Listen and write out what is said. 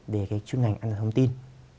về cái chuyên ngành an toàn thông tin